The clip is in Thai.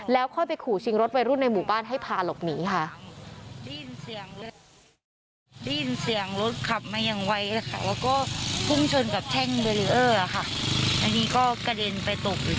แล้วค่อยไปขู่ชิงรถวัยรุ่นในหมู่บ้านให้พาหลบหนีค่ะ